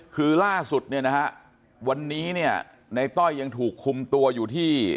คือล่าสุดเนี่ยนะฮะวันนี้เนี่ยในต้อยยังถูกคุมตัวอยู่ที่